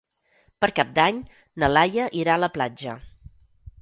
Per Cap d'Any na Laia irà a la platja.